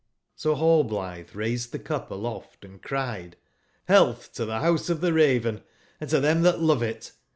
"So Rail blithe raised tbe cup aloft and cried: " Health to tbe Rouse of tbe Raven and to them that love it!